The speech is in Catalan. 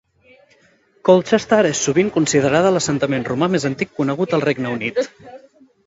Colchester és sovint considerada l'assentament romà més antic conegut al Regne Unit.